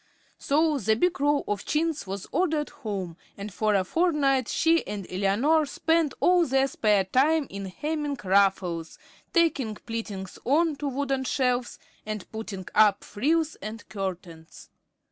So the big roll of chintz was ordered home, and for a fortnight she and Eleanor spent all their spare time in hemming ruffles, tacking pleatings on to wooden shelves, and putting up frills and curtains.